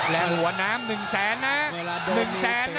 และหัวหนาม๑แสนนะนะ